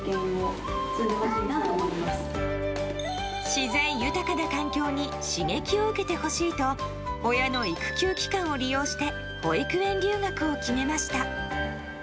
自然豊かな環境に刺激を受けてほしいと親の育休期間を利用して保育園留学を決めました。